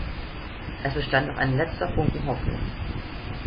Es bestand noch ein letzter Funken Hoffnung.